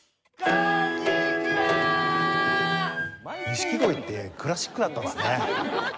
錦鯉ってクラシックだったんですね。